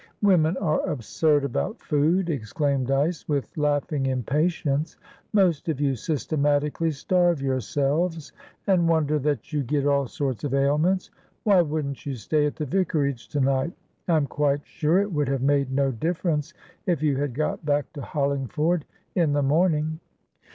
"Women are absurd about food," exclaimed Dyce, with laughing impatience. "Most of you systematically starve yourselves, and wonder that you get all sorts of ailments. Why wouldn't you stay at the vicarage to night? I'm quite sure it would have made no difference if you had got back to Hollingford in the morning."